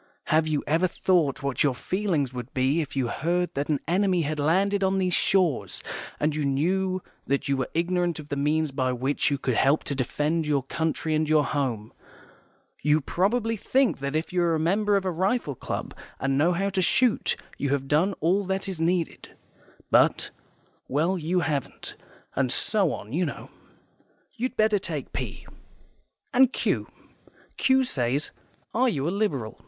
HAVE YOU EVER THOUGHT what your feelings would be if you heard that an enemy had landed on these shores, and you knew that you were ignorant of the means by which you could help to defend your country and your home? YOU PROBABLY THINK that if you are a member of a rifle club, and know how to shoot, you have done all that is needed. But well, you haven't, and so on, you know. You'd better take P. And Q. Q says 'Are you a Liberal?